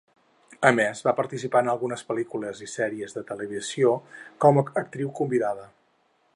A més, va participar en algunes pel·lícules i sèries de televisió com a actriu convidada.